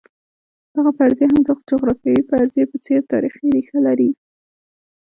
دغه فرضیه هم د جغرافیوي فرضیې په څېر تاریخي ریښه لري.